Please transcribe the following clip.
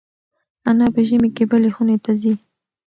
انا په ژمي کې بلې خونې ته ځي.